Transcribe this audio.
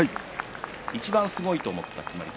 いちばんすごいと思った決まり手